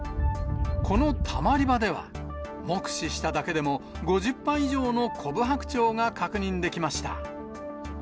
このたまり場では、目視しただけでも、５０羽以上のコブハクチョウが確認できました。